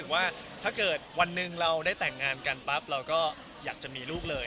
ว่าถ้าเกิดวันหนึ่งเราได้แต่งงานกันปั๊บเราก็อยากจะมีลูกเลย